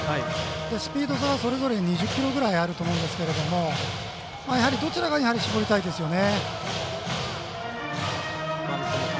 スピード差はそれぞれ２０キロぐらいあると思うんですがどちらかに絞りたいですね。